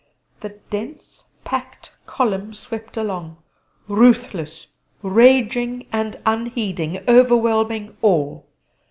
The dense packed column swept along, ruthless, raging, and unheeding, overwhelming all....